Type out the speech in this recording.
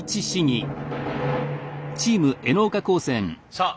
さあ